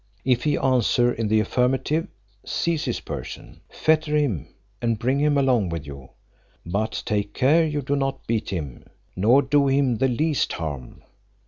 If he answer in the affirmative, seize his person, fetter him, and bring him along with you; but take care you do not beat him, nor do him the least harm.